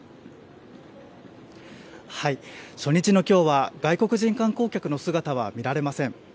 初日のきょうは外国人観光客の姿は見られません。